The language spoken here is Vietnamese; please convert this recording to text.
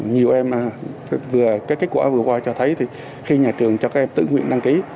nhiều em vừa cái kết quả vừa qua cho thấy thì khi nhà trường cho các em tự nguyện đăng ký